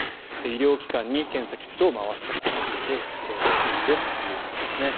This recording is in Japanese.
医療機関に検査キットを回してほしいですということです。